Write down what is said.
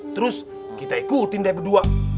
terus kita ikutin dia berdua